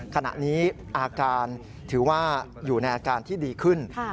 ขณะนี้อาการถือว่าอยู่ในอาการที่ดีขึ้น